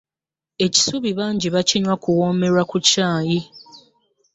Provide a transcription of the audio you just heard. Ekisubi bangi bakinywa kuwoomerwa ku caayi.